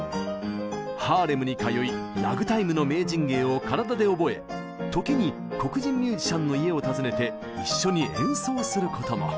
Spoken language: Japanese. ハーレムに通いラグタイムの名人芸を体で覚え時に黒人ミュージシャンの家を訪ねて一緒に演奏することも。